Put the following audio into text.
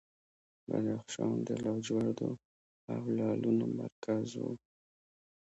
بدخشان د لاجوردو او لعلونو مرکز و